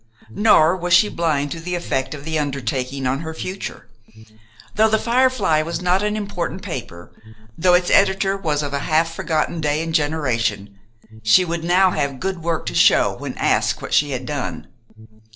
Nor was she blind to the effect of the undertaking on her future. Though "The Firefly" was not an important paper, though its editor was of a half forgotten day and generation, she would now have good work to show when asked what she had done.